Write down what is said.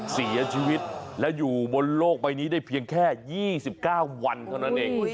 เสียชีวิตและอยู่บนโลกใบนี้ได้เพียงแค่๒๙วันเท่านั้นเอง